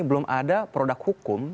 belum ada produk hukum